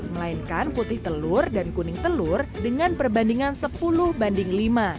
melainkan putih telur dan kuning telur dengan perbandingan sepuluh banding lima